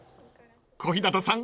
［小日向さん